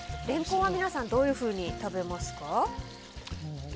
レンコンは皆さんどういうふうに食べますか？